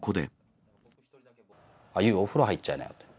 ＹＯＵ、お風呂入っちゃいなよって。